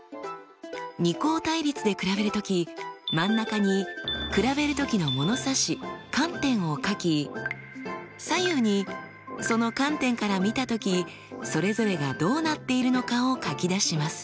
二項対立で比べる時真ん中に比べる時のものさし観点を書き左右にその観点から見た時それぞれがどうなっているのかを書き出します。